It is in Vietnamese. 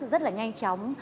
rất là nhanh chóng